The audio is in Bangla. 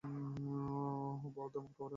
বও দামান কওরে কথা, খাওরে বাটার পান।